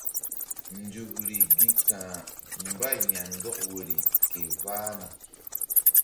Nzukri gi ka̧h mbay ya̧ndɔk woyri ke vahna.